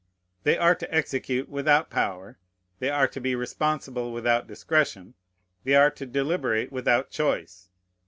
They are to execute, without power; they are to be responsible, without discretion; they are to deliberate, without choice.